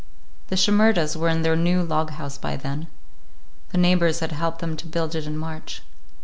The Shimerdas were in their new log house by then. The neighbors had helped them to build it in March.